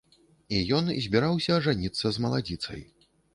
І ён збіраўся ажаніцца з маладзіцай.